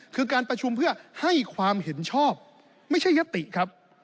คือการประชุมเพื่อให้ความเห็นชอบไม่ใช่ยติครับ